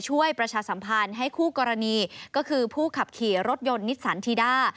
ประชาสัมพันธ์ให้คู่กรณีก็คือผู้ขับขี่รถยนต์นิสสันทีด้า